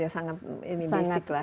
sangat ini basic lah